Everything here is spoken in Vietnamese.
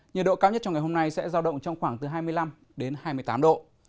nhiệt độ cao nhất trong ngày hôm nay sẽ giao động trong khoảng từ hai mươi năm đến hai mươi tám độ